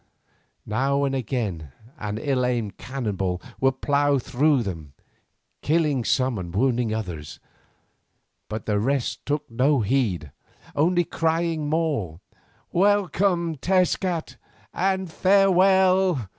Now and again an ill aimed cannon ball would plough through them, killing some and wounding others, but the rest took no heed, only crying the more, "Welcome, Tezcat, and farewell.